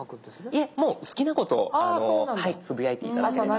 もう好きなことをつぶやいて頂ければ。